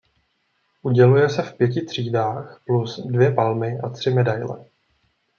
Uděluje se v pěti třídách plus dvě palmy a tři medaile.